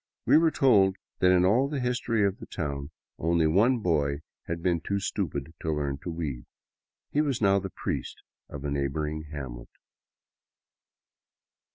We were told that in all the history of the town only one boy had been too stupid to learn to weave. He was now the priest of a neighboring hamlet.